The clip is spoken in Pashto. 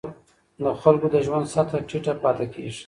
د خلکو د ژوند سطحه ټیټه پاتې کېږي.